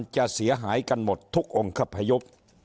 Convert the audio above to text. เสียหายกันหมดทุกองค์คพยพ